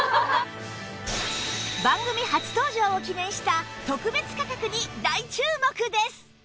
番組初登場を記念した特別価格に大注目です！